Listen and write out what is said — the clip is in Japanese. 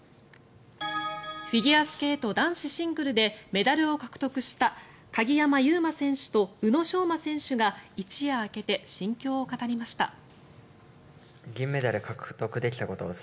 フィギュアスケート男子シングルでメダルを獲得した鍵山優真選手と宇野昌磨選手が一夜明けて心境を語りました。